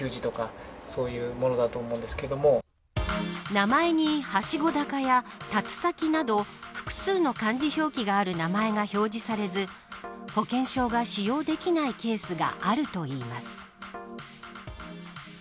名前に、はしごだかやたつさきなど複数の漢字表記がある名前が表示されず保険証が使用できないケースがあるといいます。